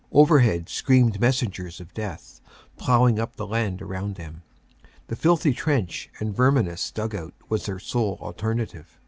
Overhead screamed messengers of death, plowing up the land around them. The filthy trench and verminous dug out was their sole alternative.